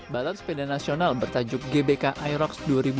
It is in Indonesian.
balad sepeda nasional bertajuk gbk irox dua ribu sembilan belas